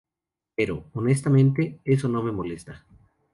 Pero, honestamente, eso no me molesta.